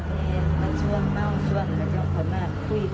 บางทีจังไม่เห็นเขาถึงทุบหัวบ้างเนี่ย